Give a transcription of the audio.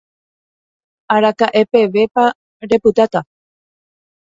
Araka'e pevépa repytáta.